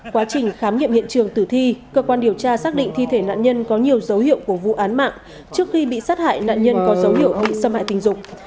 quá trình khám nghiệm hiện trường tử thi cơ quan điều tra xác định thi thể nạn nhân có nhiều dấu hiệu của vụ án mạng trước khi bị sát hại nạn nhân có dấu hiệu bị xâm hại tình dục